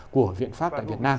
của viện pháp tại việt nam